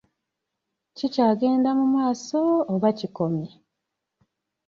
Kikyagenda mu maaso oba kikomye?